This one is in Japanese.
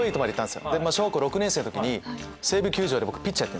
小学校６年生の時に西武球場で僕ピッチャーやってんですよ。